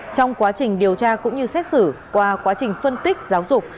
trong quá trình điều tra cũng như xét xử qua quá trình phân tích giáo dục